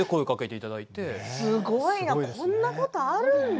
すごいな、そんなことあるんだ。